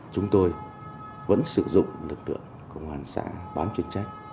chúng tôi vẫn sử dụng lực lượng công an xã bán chuyên trách